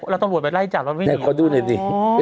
แล้วต้องรวบไปไล่จากรถวินิยเขาดูหน่อยดิ